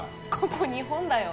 ここ日本だよ。